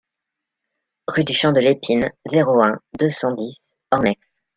Rue du Champ de l'Épine, zéro un, deux cent dix Ornex